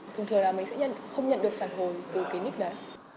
thường thường là mình sẽ không nhận được phản hồi từ cái nick đấy